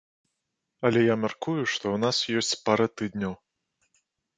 Але я мяркую, што ў нас ёсць пара тыдняў.